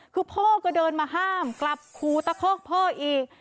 คือพ่อก็เดินมาห้ามกลับคูตะคอกพ่ออีก